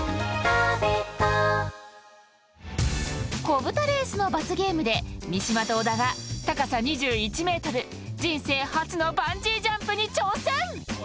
こぶたレースの罰ゲームで三島と小田が高さ２１ｍ、人生初のバンジージャンプに挑戦。